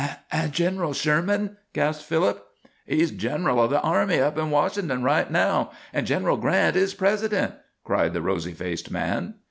"And General Sherman " gasped Philip. "He's gineral of the army up in Washington right now, and Gineral Grant is President," cried the rosy faced man.